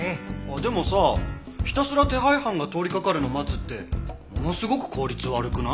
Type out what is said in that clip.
でもさひたすら手配犯が通りかかるの待つってものすごく効率悪くない？